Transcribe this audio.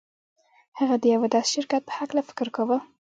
هغه د يوه داسې شرکت په هکله فکر کاوه.